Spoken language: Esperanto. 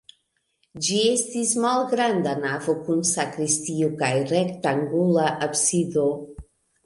Ĝi estis malgranda navo kun sakristio kaj rektangula absido.